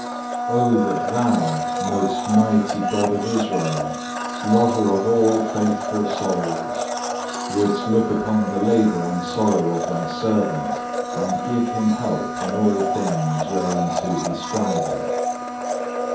3. Oh that Thou, most mighty God of Israel, Lover of all faithful souls, wouldst look upon the labour and sorrow of Thy servant, and give him help in all things whereunto he striveth.